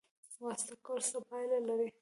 واسطه کول څه پایله لري؟